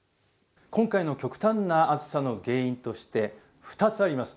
今回の極端な暑さの原因として、２つあります。